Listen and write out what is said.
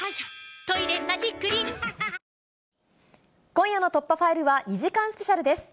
今夜の突破ファイルは２時間スペシャルです。